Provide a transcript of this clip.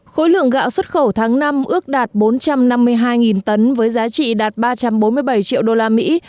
khối lượng gạo xuất khẩu tháng năm ước đạt bốn trăm năm mươi hai tấn với giá trị đạt ba trăm bốn mươi bảy triệu đô la mỹ